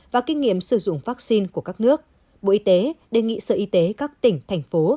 và kinh nghiệm sử dụng vaccine của các nước bộ y tế đề nghị sở y tế các tỉnh thành phố